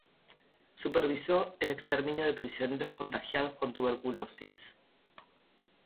Supervisó el exterminio de prisioneros contagiados con tuberculosis.